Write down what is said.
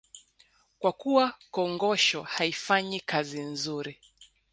Kwa kuwa kongosho haifanyi kazi vizuri